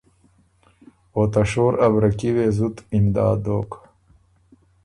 اوته شور ا برکي وې زُت امداد دوک